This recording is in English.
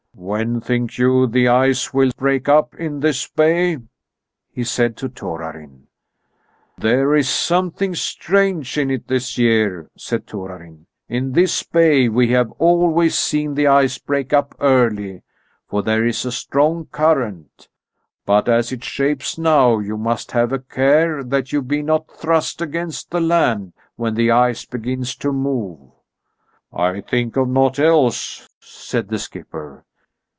"When think you the ice will break up in this bay?" he said to Torarin. "There is something strange in it this year," said Torarin. "In this bay we have always seen the ice break up early, for there is a strong current. But as it shapes now you must have a care that you be not thrust against the land when the ice begins to move." "I think of naught else," said the skipper.